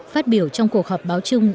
phát biểu trong cuộc họp báo chung